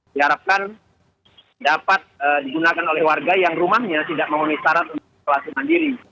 diharapkan dapat digunakan oleh warga yang rumahnya tidak memenuhi syarat untuk isolasi mandiri